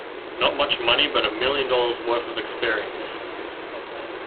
Not much money but a million dollars worth of experience!